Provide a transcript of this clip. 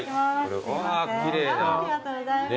ありがとうございます。